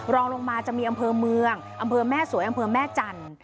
รองลงมาจะมีอำเภอเมืองอำเภอแม่สวยอำเภอแม่จันทร์